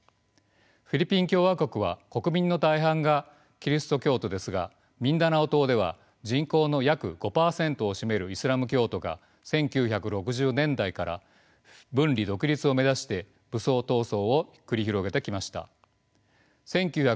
フィリピン共和国は国民の大半がキリスト教徒ですがミンダナオ島では人口の約５％を占めるイスラム教徒が１９６０年代から分離独立を目指して武装闘争を繰り広げてきました。